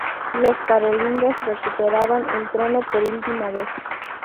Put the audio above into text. Los Carolingios recuperaban el trono por última vez.